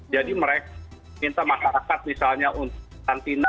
jadi mereka minta masyarakat misalnya untuk santina